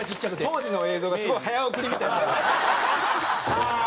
当時の映像がすごい早送りみたいな。